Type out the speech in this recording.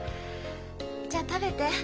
じゃあ食べて。